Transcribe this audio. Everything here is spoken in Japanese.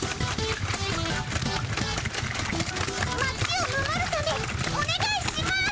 町を守るためおねがいします。